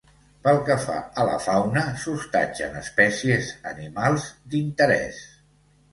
Pel que fa a la fauna s'hostatgen espècies animals d'interès.